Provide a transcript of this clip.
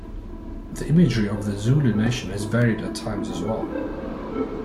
The imagery of the Zulu Nation has varied at times as well.